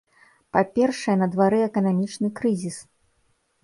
Па-першае, на двары эканамічны крызіс.